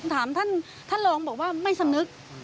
ถามท่านท่านรองบอกว่าไม่สำนึก